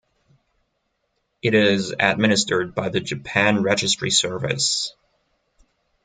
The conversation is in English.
It is administered by the Japan Registry Service.